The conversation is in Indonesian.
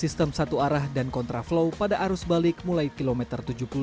sistem satu arah dan kontraflow pada arus balik mulai kilometer tujuh puluh dua